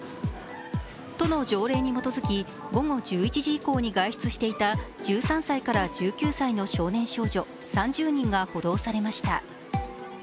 都の条例に基づき、午後１１時以降に外出していた１３歳から１９歳の少年少女３０人が補導されました。